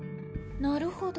なるほど。